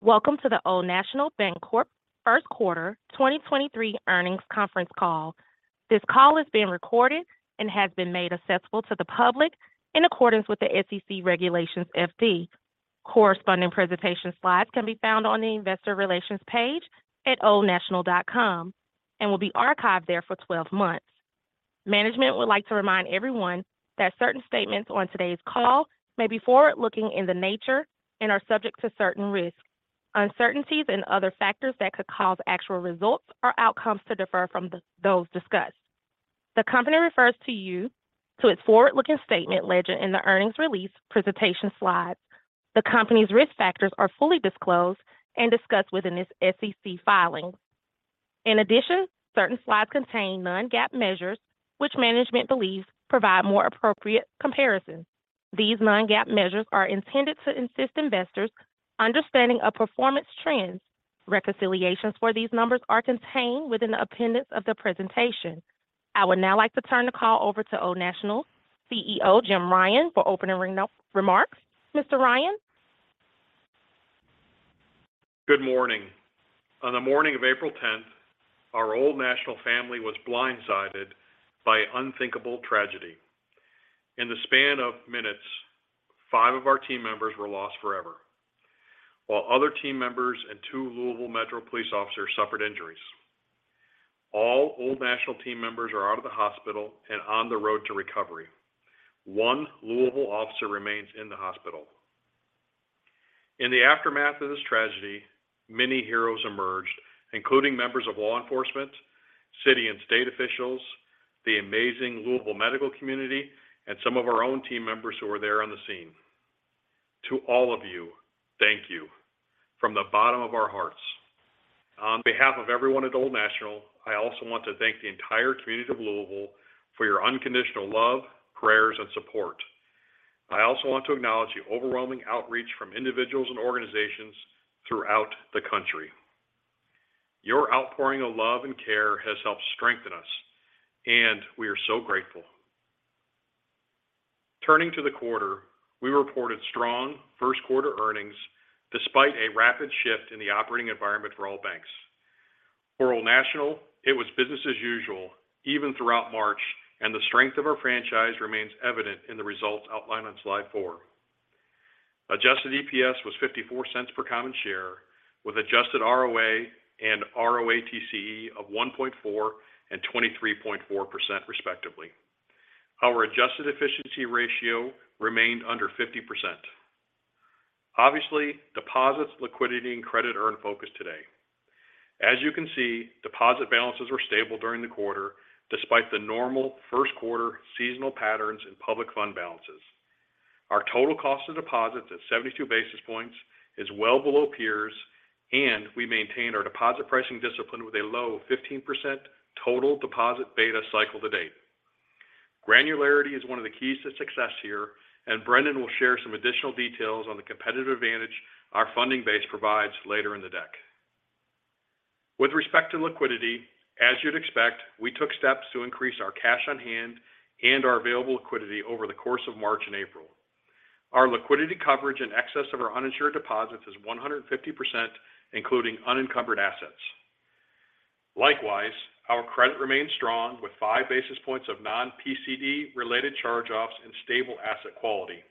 Welcome to the Old National Bancorp First Quarter 2023 Earnings Conference Call. This call is being recorded and has been made accessible to the public in accordance with the SEC regulations FD. Corresponding presentation slides can be found on the investor relations page at oldnational.com and will be archived there for 12 months. Management would like to remind everyone that certain statements on today's call may be forward-looking in the nature and are subject to certain risks, uncertainties and other factors that could cause actual results or outcomes to differ from those discussed. The company refers to you to its forward-looking statement legend in the earnings release presentation slides. Certain slides contain non-GAAP measures which management believes provide more appropriate comparisons. These non-GAAP measures are intended to assist investors' understanding of performance trends. Reconciliations for these numbers are contained within the appendix of the presentation. I would now like to turn the call over to Old National CEO, Jim Ryan for opening remarks. Mr. Ryan. Good morning. On the morning of April 10th, our Old National family was blindsided by unthinkable tragedy. In the span of minutes, five of our team members were lost forever, while other team members and two Louisville Metro police officers suffered injuries. All Old National team members are out of the hospital and on the road to recovery. one Louisville officer remains in the hospital. In the aftermath of this tragedy, many heroes emerged, including members of law enforcement, city and state officials, the amazing Louisville medical community, and some of our own team members who were there on the scene. To all of you, thank you from the bottom of our hearts. On behalf of everyone at Old National, I also want to thank the entire community of Louisville for your unconditional love, prayers and support. I also want to acknowledge the overwhelming outreach from individuals and organizations throughout the country. Your outpouring of love and care has helped strengthen us, and we are so grateful. Turning to the quarter, we reported strong first quarter earnings despite a rapid shift in the operating environment for all banks. For Old National, it was business as usual even throughout March, and the strength of our franchise remains evident in the results outlined on slide 4. Adjusted EPS was $0.54 per common share, with adjusted ROA and ROATCE of 1.4 and 23.4% respectively. Our adjusted efficiency ratio remained under 50%. Obviously, deposits, liquidity and credit are in focus today. As you can see, deposit balances were stable during the quarter despite the normal first quarter seasonal patterns in public fund balances. Our total cost of deposits at 72 basis points is well below peers. We maintained our deposit pricing discipline with a low 15% total deposit beta cycle to date. Granularity is one of the keys to success here. Brendon will share some additional details on the competitive advantage our funding base provides later in the deck. With respect to liquidity, as you'd expect, we took steps to increase our cash on hand and our available liquidity over the course of March and April. Our liquidity coverage in excess of our uninsured deposits is 150%, including unencumbered assets. Likewise, our credit remains strong with 5 basis points of non-PCD related charge-offs and stable asset quality.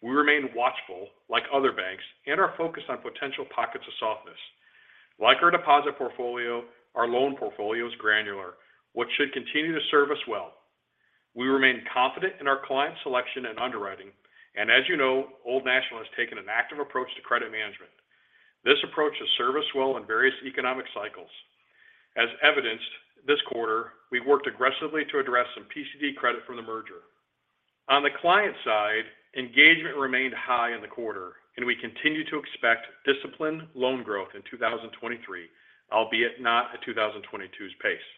We remain watchful like other banks and are focused on potential pockets of softness. Like our deposit portfolio, our loan portfolio is granular, which should continue to serve us well. We remain confident in our client selection and underwriting, as you know, Old National has taken an active approach to credit management. This approach has served us well in various economic cycles. As evidenced this quarter, we worked aggressively to address some PCD credit from the merger. On the client side, engagement remained high in the quarter we continue to expect disciplined loan growth in 2023, albeit not at 2022's pace.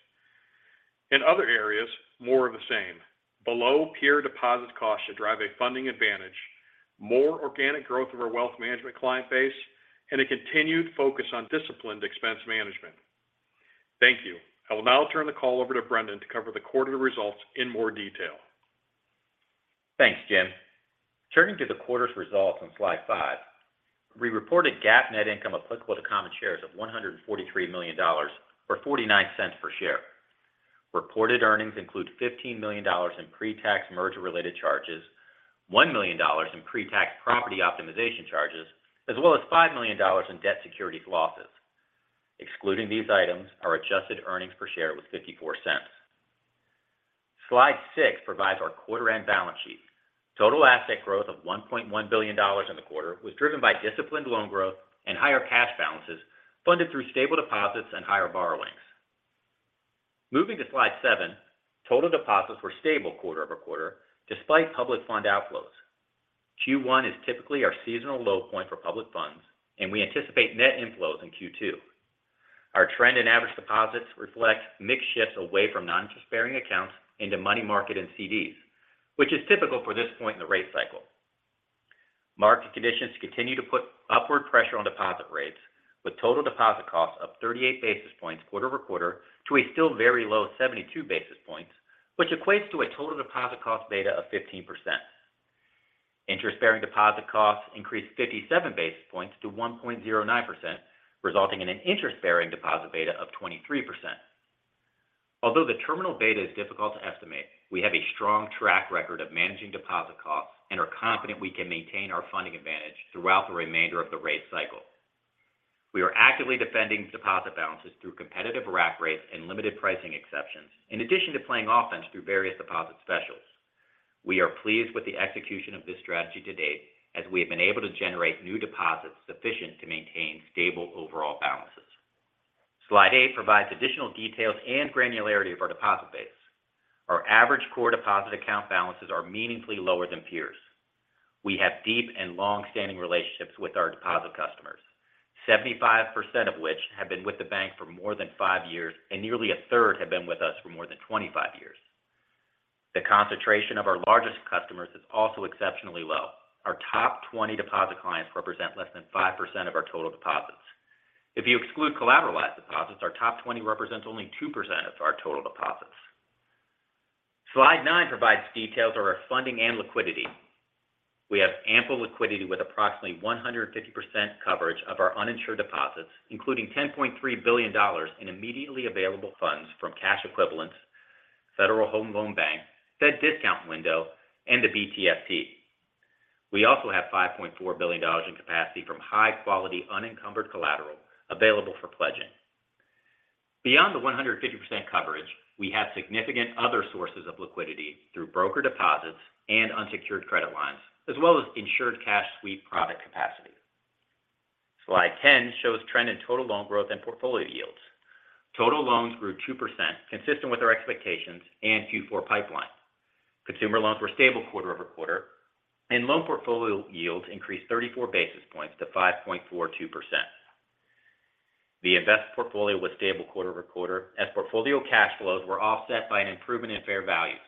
In other areas, more of the same. Below peer deposit costs should drive a funding advantage, more organic growth of our wealth management client base, and a continued focus on disciplined expense management. Thank you. I will now turn the call over to Brendon to cover the quarter results in more detail. Thanks, Jim. Turning to the quarter's results on slide 5, we reported GAAP net income applicable to common shares of $143 million or $0.49 per share. Reported earnings include $15 million in pre-tax merger-related charges, $1 million in pre-tax property optimization charges, as well as $5 million in debt securities losses. Excluding these items, our adjusted earnings per share was $0.54. Slide 6 provides our quarter-end balance sheet. Total asset growth of $1.1 billion in the quarter was driven by disciplined loan growth and higher cash balances funded through stable deposits and higher borrowings. Moving to slide 7, total deposits were stable quarter-over-quarter despite public fund outflows. Q1 is typically our seasonal low point for public funds, and we anticipate net inflows in Q2. Our trend in average deposits reflects mix shifts away from non-interest-bearing accounts into money market and CDs, which is typical for this point in the rate cycle. Market conditions continue to put upward pressure on deposit rates. With total deposit costs of 38 basis points quarter-over-quarter to a still very low 72 basis points, which equates to a total deposit cost beta of 15%. Interest-bearing deposit costs increased 57 basis points to 1.09%, resulting in an interest-bearing deposit beta of 23%. Although the terminal beta is difficult to estimate, we have a strong track record of managing deposit costs and are confident we can maintain our funding advantage throughout the remainder of the rate cycle. We are actively defending deposit balances through competitive rack rates and limited pricing exceptions, in addition to playing offense through various deposit specials. We are pleased with the execution of this strategy to date, as we have been able to generate new deposits sufficient to maintain stable overall balances. Slide 8 provides additional details and granularity of our deposit base. Our average core deposit account balances are meaningfully lower than peers. We have deep and long-standing relationships with our deposit customers. 75% of which have been with the bank for more than five years, and nearly a third have been with us for more than 25 years. The concentration of our largest customers is also exceptionally low. Our top 20 deposit clients represent less than 5% of our total deposits. If you exclude collateralized deposits, our top 20 represents only 2% of our total deposits. Slide 9 provides details of our funding and liquidity. We have ample liquidity with approximately 100% coverage of our uninsured deposits, including $10.3 billion in immediately available funds from cash equivalents, Federal Home Loan Bank, Fed discount window, and the BTFP. We also have $5.4 billion in capacity from high-quality unencumbered collateral available for pledging. Beyond the 150% coverage, we have significant other sources of liquidity through broker deposits and unsecured credit lines, as well as insured cash sweep product capacity. Slide 10 shows trend in total loan growth and portfolio yields. Total loans grew 2% consistent with our expectations and Q4 pipeline. Consumer loans were stable quarter-over-quarter, and loan portfolio yields increased 34 basis points to 5.42%. The invest portfolio was stable quarter-over-quarter as portfolio cash flows were offset by an improvement in fair values.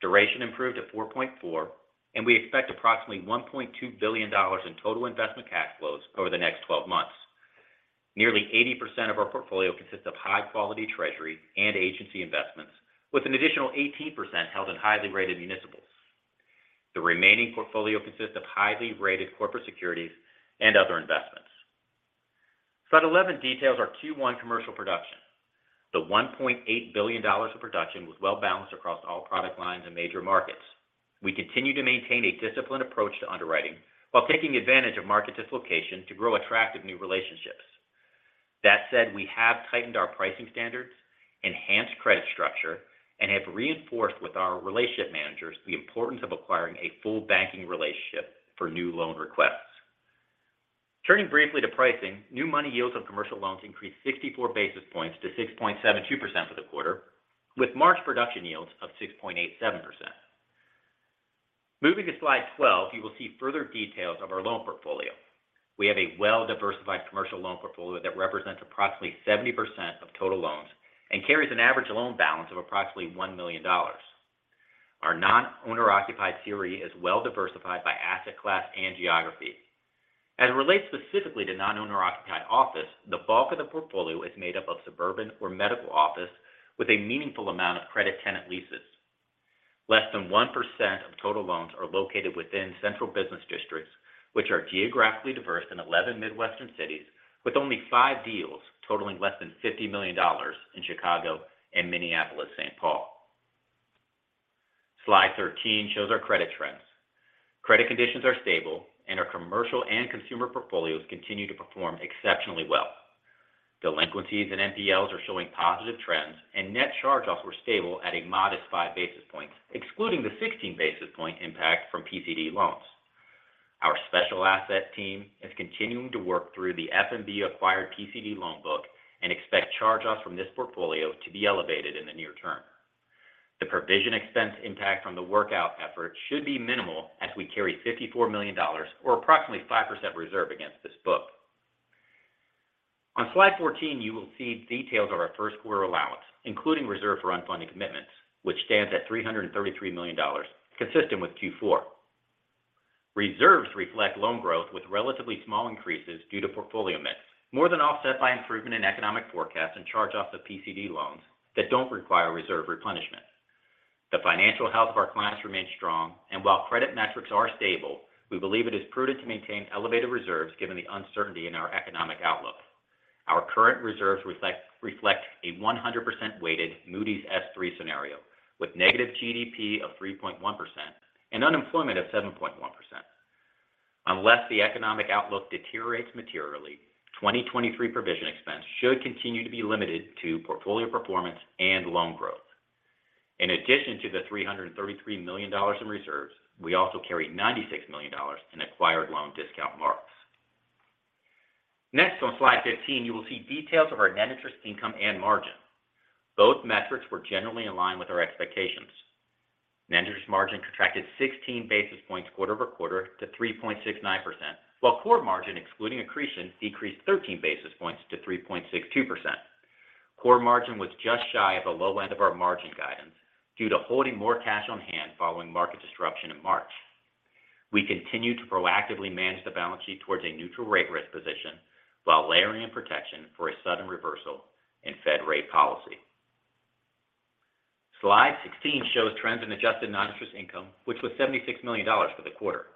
Duration improved to 4.4, we expect approximately $1.2 billion in total investment cash flows over the next 12 months. Nearly 80% of our portfolio consists of high-quality treasury and agency investments, with an additional 18% held in highly rated municipals. The remaining portfolio consists of highly rated corporate securities and other investments. Slide 11 details our Q1 commercial production. The $1.8 billion of production was well-balanced across all product lines and major markets. We continue to maintain a disciplined approach to underwriting while taking advantage of market dislocation to grow attractive new relationships. That said, we have tightened our pricing standards, enhanced credit structure, and have reinforced with our relationship managers the importance of acquiring a full banking relationship for new loan requests. Turning briefly to pricing, new money yields on commercial loans increased 64 basis points to 6.72% for the quarter, with March production yields of 6.87%. Moving to slide 12, you will see further details of our loan portfolio. We have a well-diversified commercial loan portfolio that represents approximately 70% of total loans and carries an average loan balance of approximately $1 million. Our non-owner occupied CRE is well-diversified by asset class and geography. As it relates specifically to non-owner occupied office, the bulk of the portfolio is made up of suburban or medical office with a meaningful amount of credit tenant leases. Less than 1% of total loans are located within central business districts, which are geographically diverse in 11 Midwestern cities, with only five deals totaling less than $50 million in Chicago and Minneapolis-Saint Paul. Slide 13 shows our credit trends. Credit conditions are stable and our commercial and consumer portfolios continue to perform exceptionally well. Delinquencies and NPLs are showing positive trends, and net charge-offs were stable at a modest 5 basis points, excluding the 16 basis point impact from PCD loans. Our special asset team is continuing to work through the First Midwest acquired PCD loan book and expect charge-offs from this portfolio to be elevated in the near term. The provision expense impact from the workout effort should be minimal as we carry $54 million or approximately 5% reserve against this book. On slide 14, you will see details of our first quarter allowance, including reserve for unfunded commitments, which stands at $333 million, consistent with Q4. Reserves reflect loan growth with relatively small increases due to portfolio mix. More than offset by improvement in economic forecasts and charge-offs of PCD loans that don't require reserve replenishment. While credit metrics are stable, we believe it is prudent to maintain elevated reserves given the uncertainty in our economic outlook. Our current reserves reflect a 100% weighted Moody's S3 scenario with negative GDP of 3.1% and unemployment of 7.1%. Unless the economic outlook deteriorates materially, 2023 provision expense should continue to be limited to portfolio performance and loan growth. In addition to the $333 million in reserves, we also carry $96 million in acquired loan discount marks. On slide 15, you will see details of our net interest income and margin. Both metrics were generally in line with our expectations. Net interest margin contracted 16 basis points quarter-over-quarter to 3.69%, while core margin excluding accretion decreased 13 basis points to 3.62%. Core margin was just shy of the low end of our margin guidance due to holding more cash on hand following market disruption in March. We continue to proactively manage the balance sheet towards a neutral rate risk position while layering in protection for a sudden reversal in Fed rate policy. Slide 16 shows trends in adjusted non-interest income, which was $76 million for the quarter.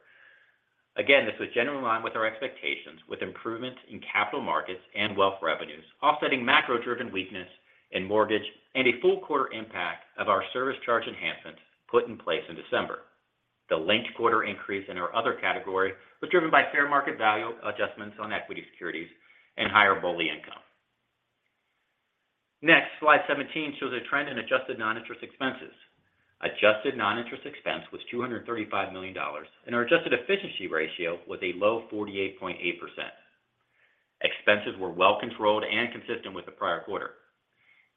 This was generally in line with our expectations, with improvements in capital markets and wealth revenues offsetting macro-driven weakness in mortgage and a full quarter impact of our service charge enhancements put in place in December. The linked quarter increase in our other category was driven by fair market value adjustments on equity securities and higher BOLI income. Slide 17 shows a trend in adjusted non-interest expenses. Adjusted non-interest expense was $235 million, and our adjusted efficiency ratio was a low 48.8%. Expenses were well controlled and consistent with the prior quarter.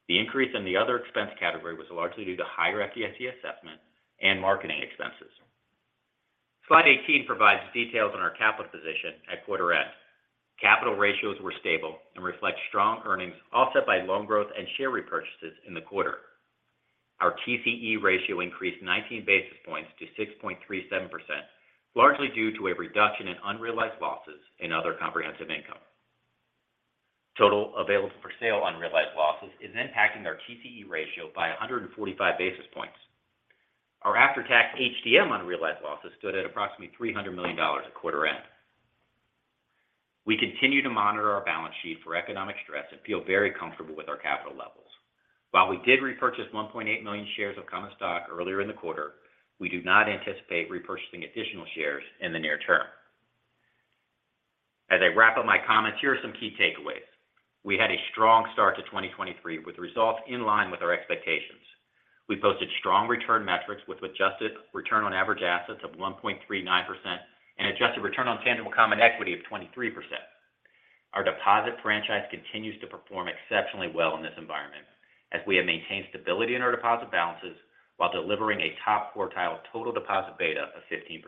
The increase in the other expense category was largely due to higher FDIC assessment and marketing expenses. Slide 18 provides details on our capital position at quarter end. Capital ratios were stable and reflect strong earnings offset by loan growth and share repurchases in the quarter. Our TCE ratio increased 19 basis points to 6.37%, largely due to a reduction in unrealized losses in other comprehensive income. Total available for sale unrealized losses is impacting our TCE ratio by 145 basis points. Our after-tax HTM unrealized losses stood at approximately $300 million at quarter end. We continue to monitor our balance sheet for economic stress and feel very comfortable with our capital levels. While we did repurchase 1.8 million shares of common stock earlier in the quarter, we do not anticipate repurchasing additional shares in the near term. As I wrap up my comments, here are some key takeaways. We had a strong start to 2023, with results in line with our expectations. We posted strong return metrics with adjusted return on average assets of 1.39% and adjusted return on tangible common equity of 23%. Our deposit franchise continues to perform exceptionally well in this environment, as we have maintained stability in our deposit balances while delivering a top quartile total deposit beta of 15%.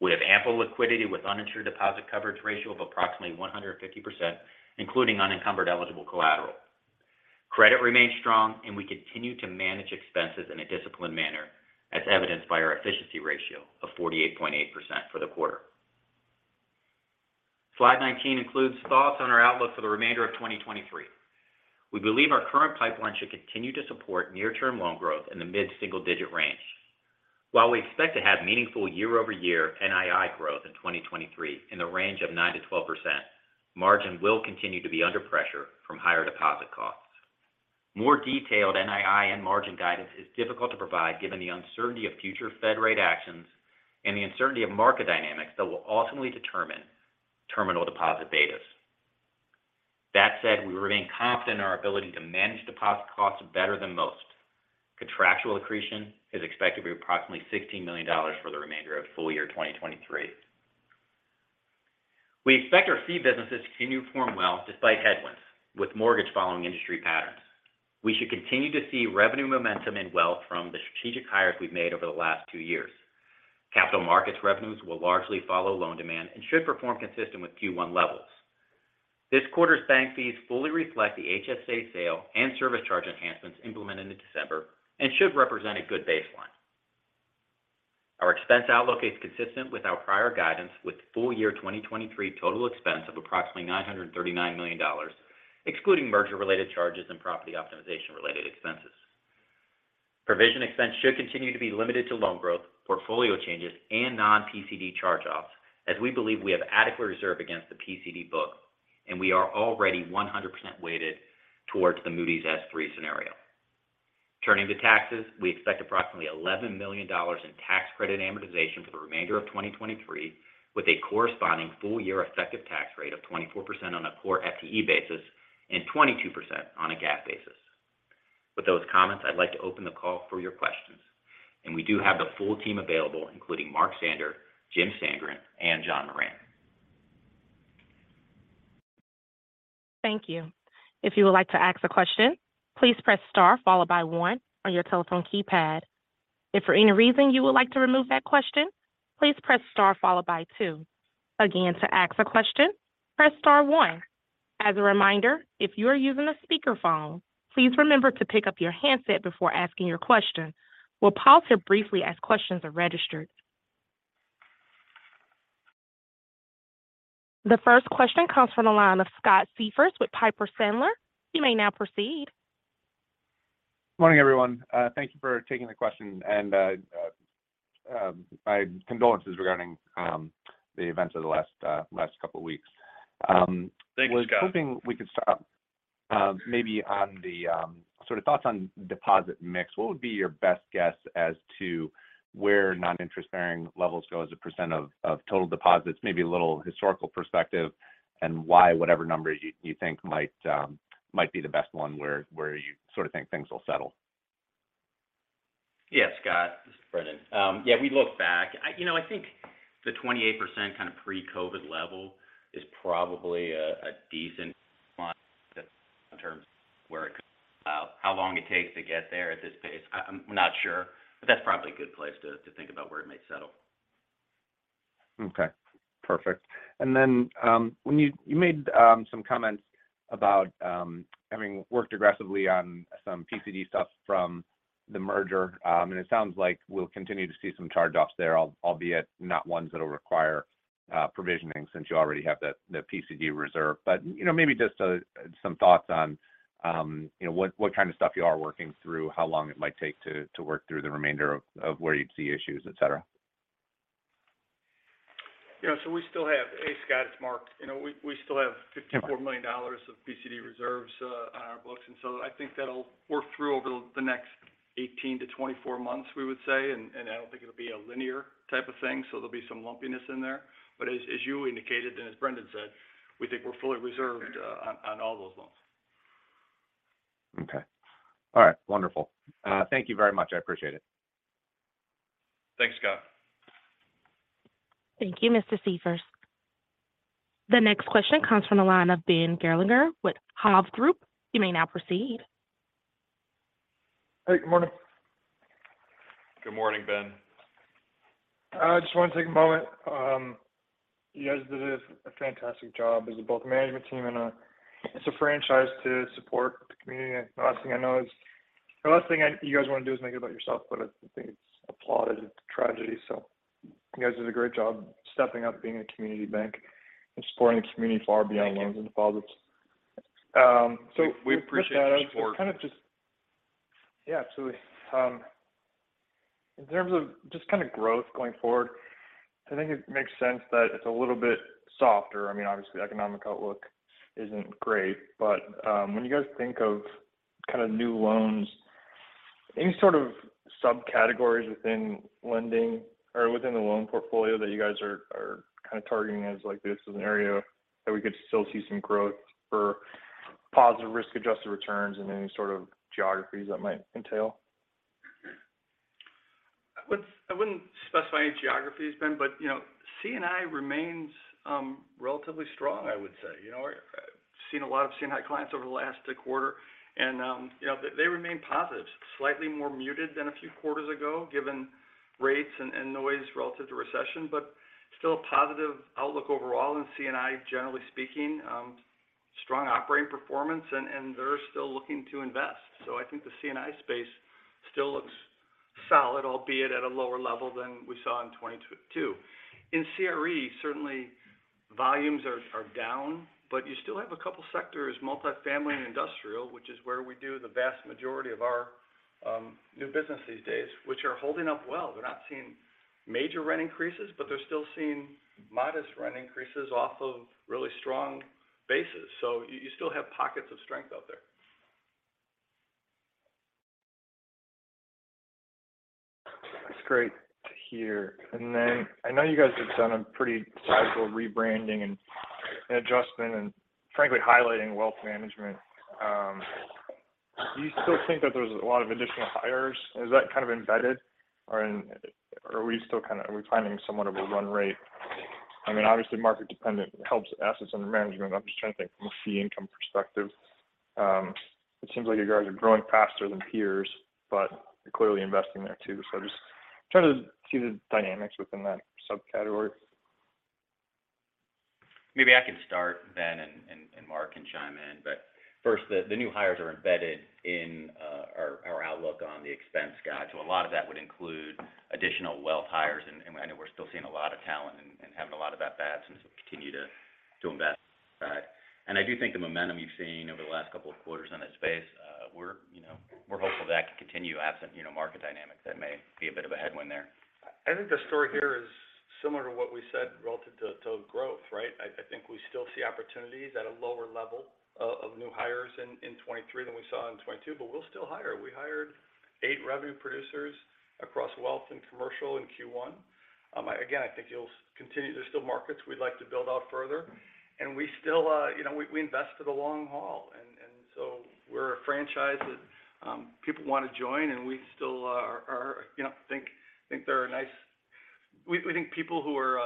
We have ample liquidity with uninsured deposit coverage ratio of approximately 150%, including unencumbered eligible collateral. Credit remains strong. We continue to manage expenses in a disciplined manner, as evidenced by our efficiency ratio of 48.8% for the quarter. Slide 19 includes thoughts on our outlook for the remainder of 2023. We believe our current pipeline should continue to support near term loan growth in the mid-single digit range. While we expect to have meaningful year-over-year NII growth in 2023 in the range of 9%-12%, margin will continue to be under pressure from higher deposit costs. More detailed NII and margin guidance is difficult to provide given the uncertainty of future Fed rate actions and the uncertainty of market dynamics that will ultimately determine terminal deposit betas. That said, we remain confident in our ability to manage deposit costs better than most. Contractual accretion is expected to be approximately $16 million for the remainder of full year 2023. We expect our fee businesses to continue to perform well despite headwinds, with mortgage following industry patterns. We should continue to see revenue momentum and wealth from the strategic hires we've made over the last 2 years. Capital markets revenues will largely follow loan demand and should perform consistent with Q1 levels. This quarter's bank fees fully reflect the HSA sale and service charge enhancements implemented in December and should represent a good baseline. Our expense outlook is consistent with our prior guidance with full year 2023 total expense of approximately $939 million, excluding merger related charges and property optimization related expenses. Provision expense should continue to be limited to loan growth, portfolio changes, and non-PCD charge-offs, as we believe we have adequate reserve against the PCD book. We are already 100% weighted towards the Moody's S3 scenario. Turning to taxes, we expect approximately $11 million in tax credit amortization for the remainder of 2023, with a corresponding full year effective tax rate of 24% on a core FTE basis and 22% on a GAAP basis. With those comments, I'd like to open the call for your questions. We do have the full team available, including Mark Sander, Jim Sandgren, and John Moran. Thank you. If you would like to ask a question, please press star followed by one on your telephone keypad. If for any reason you would like to remove that question, please press star followed by two. Again, to ask a question, press star one. As a reminder, if you are using a speakerphone, please remember to pick up your handset before asking your question. We will pause here briefly as questions are registered. The first question comes from the line of Scott Siefers with Piper Sandler. You may now proceed. Morning, everyone. Thank you for taking the question. My condolences regarding the events of the last couple weeks. Thank you, Scott. I was hoping we could start, maybe on the sort of thoughts on deposit mix. What would be your best guess as to where non-interest-bearing levels go as a % of total deposits? Maybe a little historical perspective and why whatever number you think might might be the best one where you sort of think things will settle. Scott, this is Brendon. We look back. I, you know, I think the 28% kind of pre-COVID level is probably a decent spot in terms of where it could settle. How long it takes to get there at this pace, I'm not sure, but that's probably a good place to think about where it might settle. Okay, perfect. When you made some comments about having worked aggressively on some PCD stuff from the merger. It sounds like we'll continue to see some charge-offs there, albeit not ones that'll require provisioning since you already have the PCD reserve. You know, maybe just some thoughts on, you know, what kind of stuff you are working through, how long it might take to work through the remainder of where you'd see issues, et cetera. Yeah. Hey, Scott, it's Mark. You know, we still have $54 million of PCD reserves on our books. I think that'll work through over the next 18-24 months, we would say. I don't think it'll be a linear type of thing, so there'll be some lumpiness in there. As you indicated, and as Brendon said, we think we're fully reserved on all those loans. Okay. All right. Wonderful. Thank you very much. I appreciate it. Thanks, Scott. Thank you, Mr. Siefers. The next question comes from the line of Benjamin Gerlinger with Hovde Group. You may now proceed. Hey, good morning. Good morning, Ben. I just want to take a moment. You guys did a fantastic job as both management team and as a franchise to support the community. The last thing you guys want to do is make it about yourself, but I think it's applauded tragedy. You guys did a great job stepping up being a community bank and supporting the community far beyond loans and deposits. We appreciate the support. Yeah, absolutely. In terms of just kind of growth going forward, I think it makes sense that it's a little bit softer. I mean, obviously, economic outlook isn't great. When you guys think of kind of new loans, any sort of subcategories within lending or within the loan portfolio that you guys are kind of targeting as like this is an area that we could still see some growth for positive risk-adjusted returns and any sort of geographies that might entail? I wouldn't specify any geographies, Ben, but, you know, CNI remains relatively strong, I would say. You know, I've seen a lot of CNI clients over the last quarter and, you know, they remain positive. Slightly more muted than a few quarters ago, given rates and noise relative to recession, but still a positive outlook overall in CNI, generally speaking. Strong operating performance and they're still looking to invest. I think the CNI space still looks solid, albeit at a lower level than we saw in 2022. In CRE, certainly volumes are down, but you still have a couple of sectors, multifamily and industrial, which is where we do the vast majority of our new business these days, which are holding up well. They're not seeing major rent increases, but they're still seeing modest rent increases off of really strong bases. You still have pockets of strength out there. That's great to hear. I know you guys have done a pretty sizable rebranding and adjustment and frankly, highlighting wealth management. Do you still think that there's a lot of additional hires? Is that kind of embedded or are we finding somewhat of a run rate? I mean, obviously market dependent helps assets under management. I'm just trying to think from a fee income perspective. It seems like you guys are growing faster than peers, but you're clearly investing there too. Just trying to see the dynamics within that subcategory. Maybe I can start, Ben, and Mark can chime in. First, the new hires are embedded in our outlook on the expense guide. A lot of that would include additional wealth hires. I know we're still seeing a lot of talent and having a lot of that continue to invest. I do think the momentum you've seen over the last couple of quarters in that space, we're hopeful that can continue absent, you know, market dynamics. That may be a bit of a headwind there. I think the story here is similar to what we said relative to growth, right? I think we still see opportunities at a lower level of new hires in 2023 than we saw in 2022, but we'll still hire. We hired eight revenue producers across wealth and commercial in Q1. Again, I think you'll continue. There's still markets we'd like to build out further. We still, you know, we invest for the long haul. We're a franchise that people want to join, and we still are, you know, think there are nice. We think people who are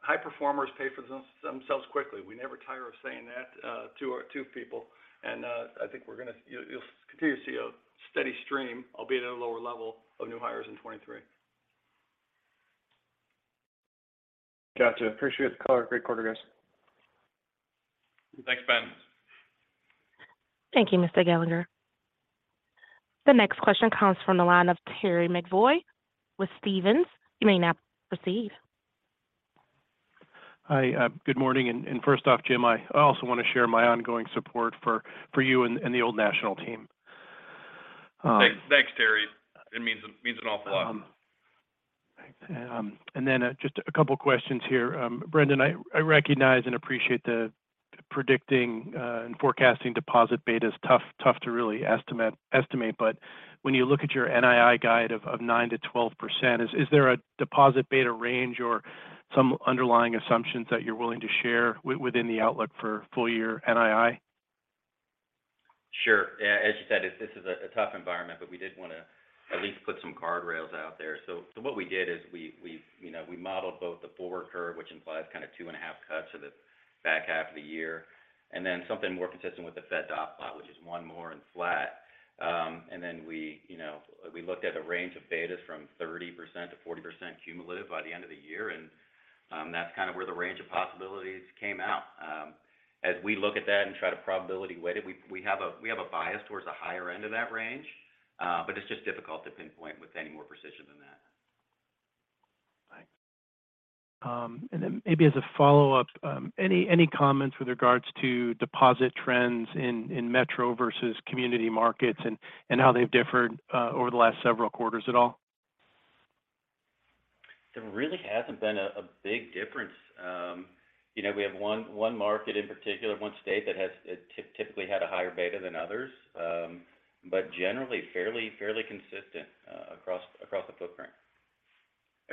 high performers pay for themselves quickly. We never tire of saying that to our people. I think you'll continue to see a steady stream, albeit at a lower level, of new hires in 2023. Gotcha. Appreciate the color. Great quarter, guys. Thanks, Ben. Thank you, Mr. Gerlinger. The next question comes from the line of Terence McEvoy with Stephens. You may now proceed. Hi. Good morning. First off, Jim, I also want to share my ongoing support for you and the Old National team. Thanks. Thanks, Terry. It means an awful lot. Just a couple of questions here. Brendon, I recognize and appreciate the predicting and forecasting deposit beta is tough to really estimate. When you look at your NII guide of 9%-12%, is there a deposit beta range or some underlying assumptions that you're willing to share within the outlook for full year NII? Sure. Yeah, as you said, this is a tough environment, but we did want to at least put some guardrails out there. What we did is we, you know, we modeled both the forward curve, which implies kind of 2.5 cuts for the back half of the year, and then something more consistent with the Fed dot plot, which is 1 more and flat. Then we, you know, we looked at a range of betas from 30%-40% cumulative by the end of the year. That's kind of where the range of possibilities came out. As we look at that and try to probability weight it, we have a bias towards the higher end of that range, but it's just difficult to pinpoint with any more precision than that. Thanks. Then maybe as a follow-up, any comments with regards to deposit trends in metro versus community markets and how they've differed over the last several quarters at all? There really hasn't been a big difference. you know, we have one market in particular, one state that has typically had a higher beta than others. Generally fairly consistent across the footprint.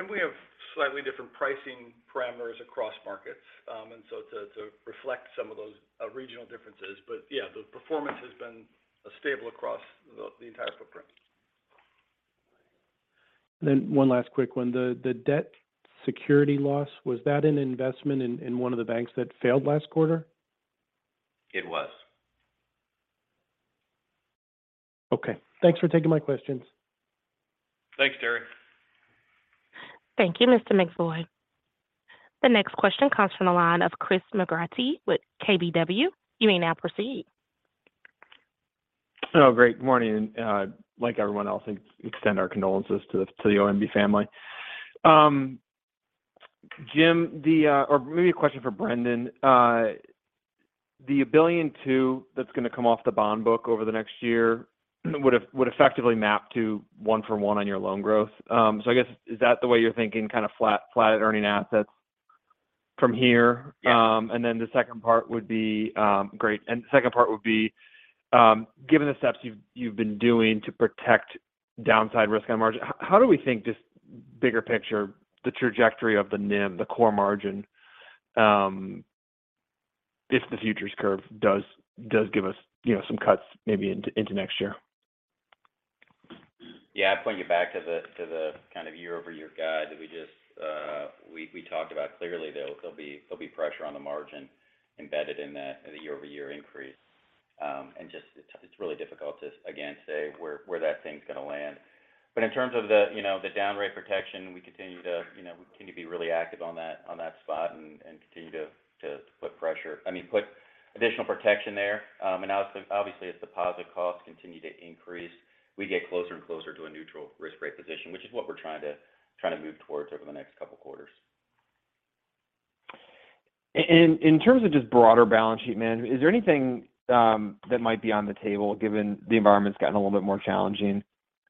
we have slightly different pricing parameters across markets, and so to reflect some of those, regional differences. Yeah, the performance has been, stable across the entire footprint. one last quick one. The debt security loss, was that an investment in one of the banks that failed last quarter? It was. Okay. Thanks for taking my questions. Thanks, Terence. Thank you, Mr. McEvoy. The next question comes from the line of Christopher McGratty with KBW. You may now proceed. Great morning, and, like everyone else, extend our condolences to the ONB family. Jim, or maybe a question for Brendon. The $1.2 billion that's gonna come off the bond book over the next year would effectively map to 1 for 1 on your loan growth. I guess, is that the way you're thinking, kind of flat earning assets from here? Yeah. Great. The second part would be, given the steps you've been doing to protect downside risk on margin, how do we think just bigger picture, the trajectory of the NIM, the core margin, if the futures curve does give us, you know, some cuts maybe into next year? Yeah. I point you back to the, to the kind of year-over-year guide that we just, we talked about. Clearly there'll be pressure on the margin embedded in that, in the year-over-year increase. Just it's really difficult to, again, say where that thing's gonna land. But in terms of the, you know, the down rate protection, we continue to, you know, be really active on that, on that spot and continue to put additional protection there. Obviously as deposit costs continue to increase, we get closer and closer to a neutral risk rate position, which is what we're trying to, trying to move towards over the next couple quarters. In terms of just broader balance sheet management, is there anything that might be on the table given the environment's gotten a little bit more challenging?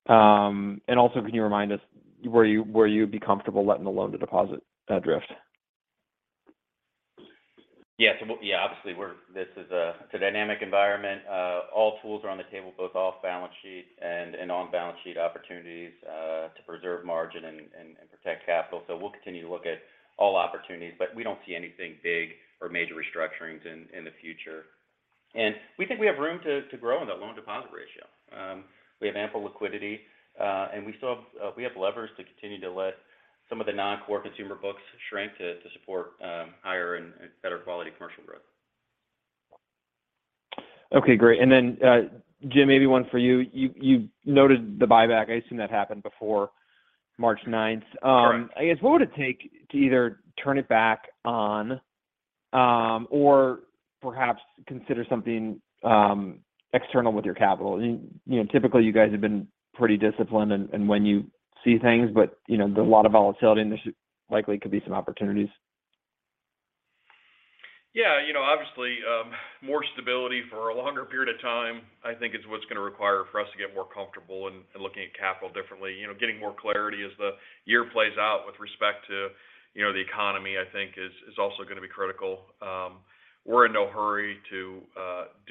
Also can you remind us where you'd be comfortable letting the loan-to-deposit drift? Obviously this is a dynamic environment. All tools are on the table, both off balance sheet and on balance sheet opportunities, to preserve margin and protect capital. We'll continue to look at all opportunities, but we don't see anything big or major restructurings in the future. We think we have room to grow in the loan deposit ratio. We have ample liquidity, and we still have levers to continue to let some of the non-core consumer books shrink to support higher and better quality commercial growth. Okay, great. Jim, maybe one for you. You noted the buyback. I assume that happened before March ninth. Correct. I guess what would it take to either turn it back on, or perhaps consider something external with your capital? You know, typically you guys have been pretty disciplined and when you see things, but, you know, there's a lot of volatility and there likely could be some opportunities. Yeah. You know, obviously, more stability for a longer period of time, I think is what's going to require for us to get more comfortable in looking at capital differently. You know, getting more clarity as the year plays out with respect to, you know, the economy, I think is also going to be critical. We're in no hurry to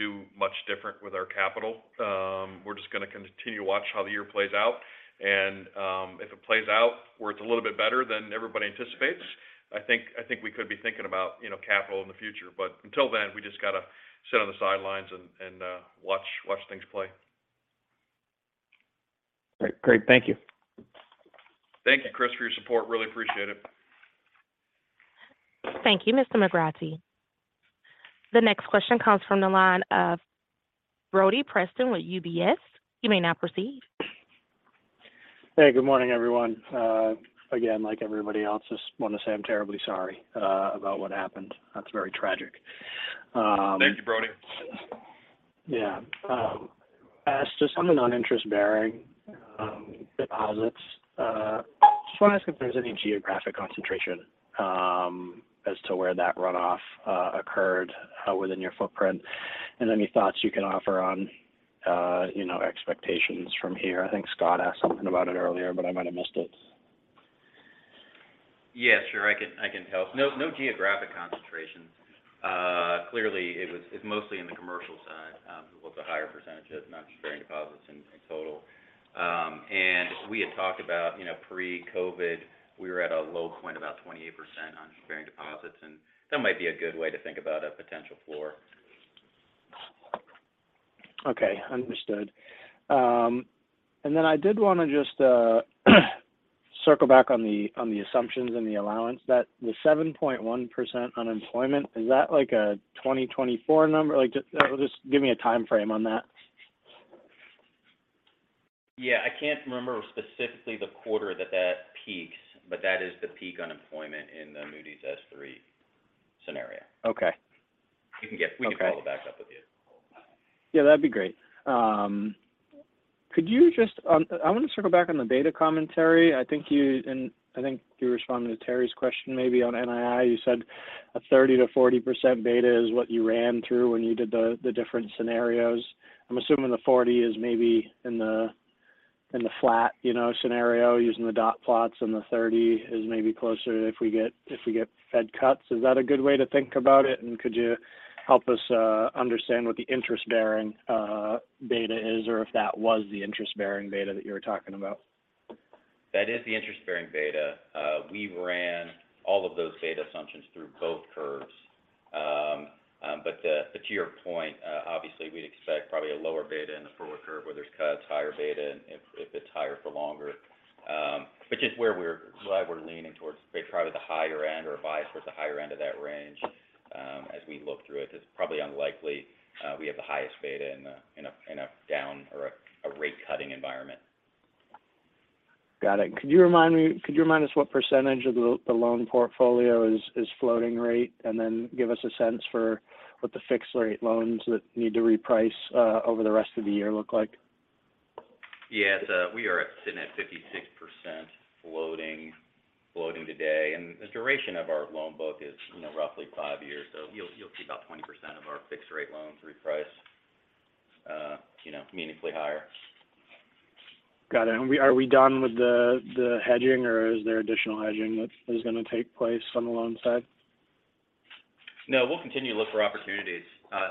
do much different with our capital. We're just going to continue to watch how the year plays out and if it plays out where it's a little bit better than everybody anticipates, I think we could be thinking about, you know, capital in the future. Until then, we just got to sit on the sidelines and watch things play. Great. Great. Thank you. Thank you, Chris, for your support. Really appreciate it. Thank you, Mr. McGratty. The next question comes from the line of Broderick Preston with UBS. You may now proceed. Hey, good morning, everyone. Again, like everybody else, just want to say I'm terribly sorry, about what happened. That's very tragic. Thank you, Brody. Yeah. As to some of the non-interest bearing deposits, just want to ask if there's any geographic concentration, as to where that runoff occurred within your footprint, and any thoughts you can offer on, you know, expectations from here. I think Scott asked something about it earlier, but I might have missed it. Yeah, sure. I can help. No geographic concentrations. clearly it's mostly in the commercial side, with a higher percentage of non-interest-bearing deposits in total. we had talked about, you know, pre-COVID we were at a low point, about 28% non-interest-bearing deposits, and that might be a good way to think about a potential floor. Okay. Understood. I did want to just, circle back on the, on the assumptions and the allowance that the 7.1% unemployment, is that like a 2024 number? Like just give me a time frame on that. Yeah. I can't remember specifically the quarter that that peaks, but that is the peak unemployment in the Moody's S3 scenario. Okay. We can get- Okay. We can follow back up with you. Yeah, that'd be great. I want to circle back on the beta commentary. I think you and I think you were responding to Terry's question maybe on NII. You said a 30% to 40% beta is what you ran through when you did the different scenarios. I'm assuming the 40 is maybe in the flat, you know, scenario using the dot plots, and the 30 is maybe closer to if we get Fed cuts. Is that a good way to think about it? Could you help us understand what the interest-bearing beta is or if that was the interest-bearing beta that you were talking about? That is the interest-bearing beta. We ran all of those beta assumptions through both curves. To your point, obviously we'd expect probably a lower beta in the forward curve where there's cuts, higher beta if it's higher for longer. Which is why we're leaning towards probably the higher end or bias towards the higher end of that range, as we look through it. It's probably unlikely, we have the highest beta in a down or a rate cutting environment. Got it. Could you remind us what percentage of the loan portfolio is floating rate? Then give us a sense for what the fixed rate loans that need to reprice over the rest of the year look like. Yes. We are sitting at 56% floating today. The duration of our loan book is, you know, roughly 5 years. You'll see about 20% of our fixed rate loans reprice, you know, meaningfully higher. Got it. Are we done with the hedging or is there additional hedging that's going to take place on the loan side? No. We'll continue to look for opportunities,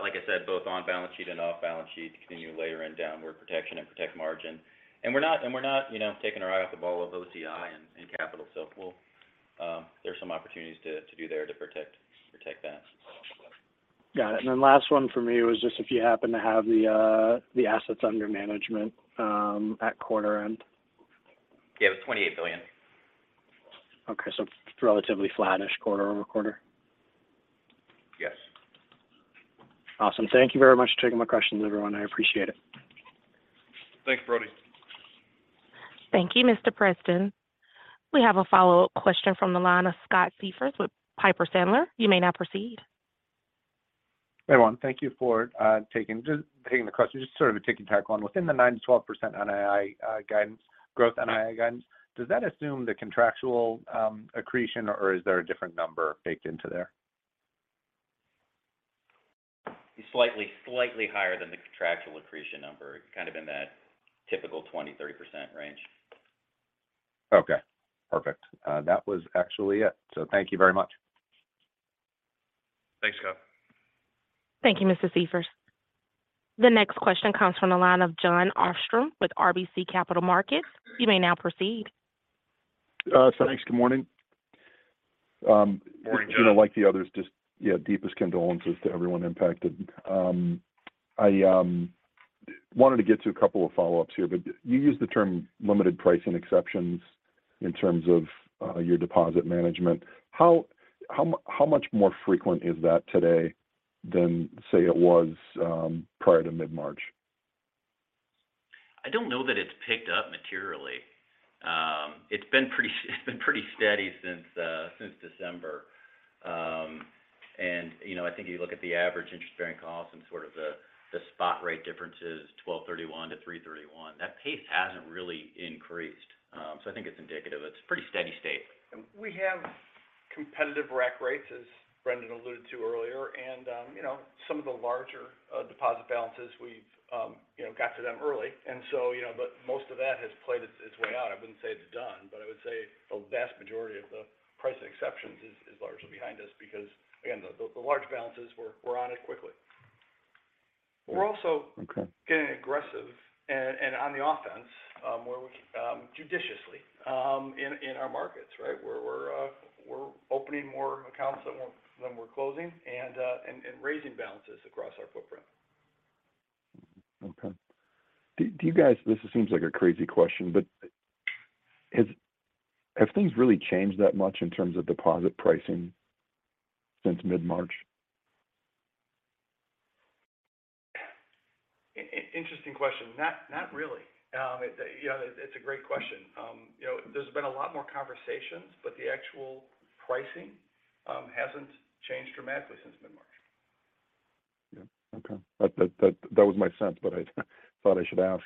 like I said, both on balance sheet and off balance sheet to continue to layer in downward protection and protect margin. We're not, you know, taking our eye off the ball with OCI and capital support. There are some opportunities to do there to protect that. Got it. Then last one from me was just if you happen to have the assets under management at quarter end. Yeah. $28 billion. Okay. Relatively flattish quarter-over-quarter. Yes. Awesome. Thank you very much for taking my questions, everyone. I appreciate it. Thanks, Brody. Thank you, Mr. Preston. We have a follow-up question from the line of Scott Siefers with Piper Sandler. You may now proceed. Hey, everyone. Thank you for just taking the question. Just a quick one. Within the 9%-12% NII growth NII guidance, does that assume the contractual accretion, or is there a different number baked into there? Slightly higher than the contractual accretion number, kind of in that typical 20%-30% range. Okay. Perfect. That was actually it. Thank you very much. Thanks, Scott. Thank you, Mr. Siefers. The next question comes from the line of Jon Arfstrom with RBC Capital Markets. You may now proceed. Thanks. Good morning. Morning, John. You know, like the others, just, yeah, deepest condolences to everyone impacted. I wanted to get to a couple of follow-ups here. You use the term limited pricing exceptions in terms of your deposit management. How much more frequent is that today than, say, it was prior to mid-March? I don't know that it's picked up materially. It's been pretty steady since December. you know, I think you look at the average interest bearing costs and sort of the spot rate differences, 12/31 to 3/31. That pace hasn't really increased. I think it's indicative. It's pretty steady state. We have competitive rack rates, as Brendon alluded to earlier. You know, some of the larger deposit balances, we've, you know, got to them early. You know, but most of that has played its way out. I wouldn't say it's done, but I would say the vast majority of the pricing exceptions is largely behind us because, again, the large balances were on it quickly. Okay. We're also getting aggressive and on the offense, where we judiciously in our markets, right. Where we're opening more accounts than we're closing and raising balances across our footprint. Okay. Do you guys This seems like a crazy question, but have things really changed that much in terms of deposit pricing since mid-March? Interesting question. Not really. Yeah, it's a great question. You know, there's been a lot more conversations. The actual pricing, hasn't changed dramatically since mid-March. Yeah. Okay. That was my sense, but I thought I should ask.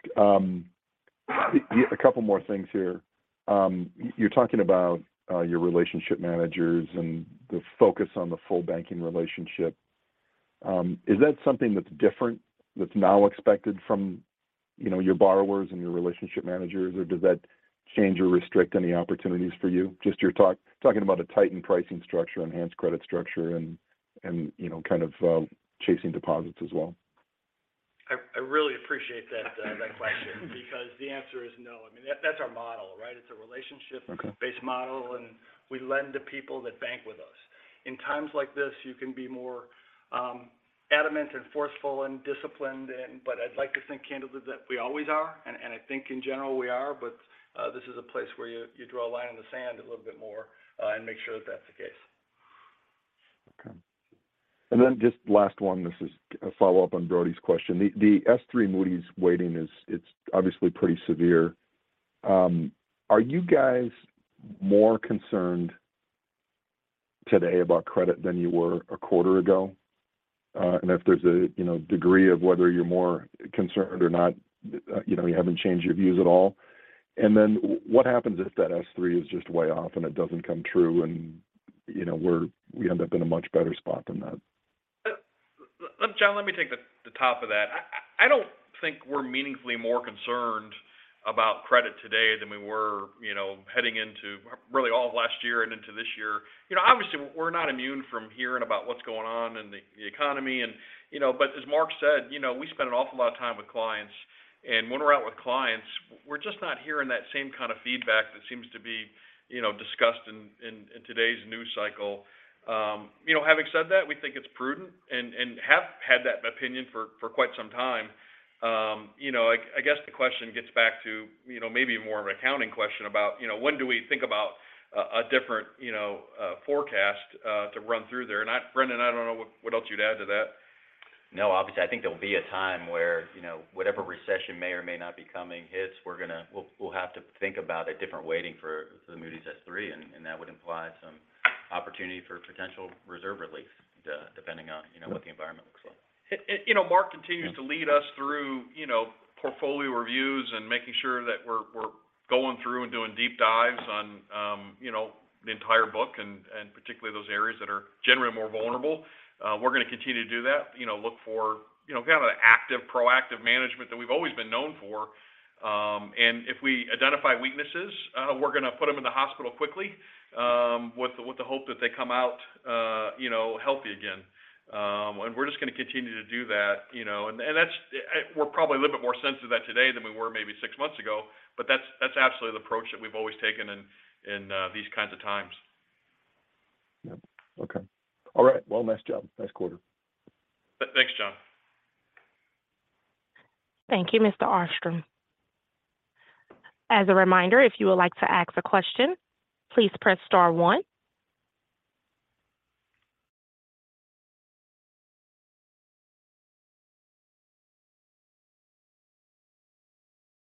A couple more things here. You're talking about your relationship managers and the focus on the full banking relationship. Is that something that's different that's now expected from, you know, your borrowers and your relationship managers, or does that change or restrict any opportunities for you? Just you're talking about a tightened pricing structure, enhanced credit structure and, you know, kind of chasing deposits as well. I really appreciate that question because the answer is no. I mean, that's our model, right? It's a relationship- Okay. based model, and we lend to people that bank with us. In times like this, you can be more adamant and forceful and disciplined and, but I'd like to think, Candid, that we always are. I think in general we are, but this is a place where you draw a line in the sand a little bit more and make sure that that's the case. Okay. Just last one. This is a follow-up on Brody's question. The S3 Moody's waiting, it's obviously pretty severe. Are you guys more concerned today about credit than you were a quarter ago? If there's a, you know, degree of whether you're more concerned or not, you know, you haven't changed your views at all. What happens if that S3 is just way off and it doesn't come true and, you know, we end up in a much better spot than that? Jon, let me take the top of that. I don't think we're meaningfully more concerned about credit today than we were, you know, heading into really all of last year and into this year. You know, obviously we're not immune from hearing about what's going on in the economy and, you know. As Mark said, you know, we spend an awful lot of time with clients, and when we're out with clients, we're just not hearing that same kind of feedback that seems to be, you know, discussed in today's news cycle. You know, having said that, we think it's prudent and have had that opinion for quite some time. you know, I guess the question gets back to, you know, maybe more of an accounting question about, you know, when do we think about a different, you know, forecast to run through there? Brendon, I don't know what else you'd add to that. No, obviously I think there'll be a time where, you know, whatever recession may or may not be coming hits, we'll have to think about a different waiting for the Moody's S3, and that would imply some opportunity for potential reserve release depending on, you know, what the environment looks like. It, you know, Mark continues to lead us through, you know, portfolio reviews and making sure that we're going through and doing deep dives on, you know, the entire book and particularly those areas that are generally more vulnerable. We're gonna continue to do that, you know, look for, you know, kind of an active, proactive management that we've always been known for. If we identify weaknesses, we're gonna put them in the hospital quickly, with the hope that they come out, you know, healthy again. We're just gonna continue to do that, you know, that's, we're probably a little bit more sensitive to that today than we were maybe six months ago, but that's absolutely the approach that we've always taken in these kinds of times. Yep. Okay. All right. Well, nice job. Nice quarter. Thanks, John. Thank you, Mr. Arfstrom. As a reminder, if you would like to ask a question, please press star one.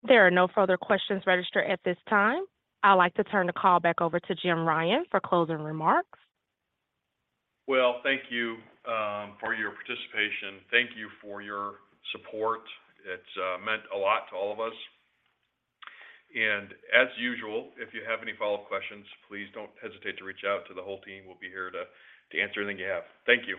There are no further questions registered at this time. I'd like to turn the call back over to Jim Ryan for closing remarks. Well, thank you, for your participation. Thank you for your support. It's meant a lot to all of us. As usual, if you have any follow-up questions, please don't hesitate to reach out to the whole team. We'll be here to answer anything you have. Thank you.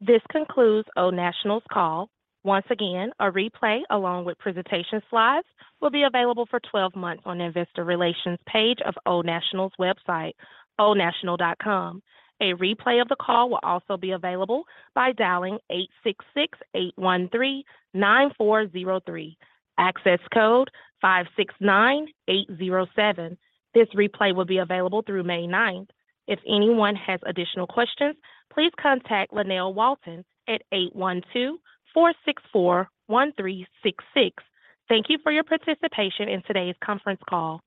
This concludes Old National's call. Once again, a replay along with presentation slides will be available for 12 months on Investor Relations page of Old National's website, oldnational.com. A replay of the call will also be available by dialing 866-813-9403. Access code 569807. This replay will be available through May 9th. If anyone has additional questions, please contact Lynell Walton at 812-464-1366. Thank you for your participation in today's conference call.